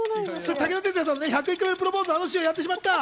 武田鉄矢さんの『１０１回目のプロポーズ』のあのシーンをやってしまった。